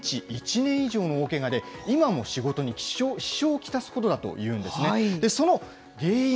これ、全治１年以上の大けがで、今も仕事に支障を来すほどだというんですね。